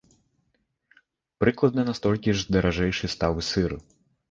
Прыкладна на столькі ж даражэйшы стаў і сыр.